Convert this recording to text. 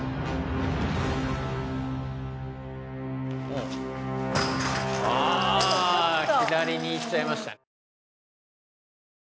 あ左に行っちゃいました。